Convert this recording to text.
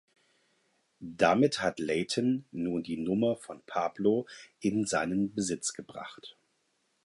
Damit hat Layton nun die Nummer von Pablo in seinen Besitz gebracht.